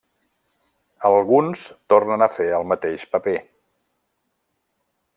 Alguns tornen a fer el mateix paper.